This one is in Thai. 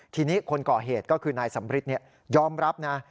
ทีนี้คนก่อเหตุก็คือนายสำริทยอมรับนะ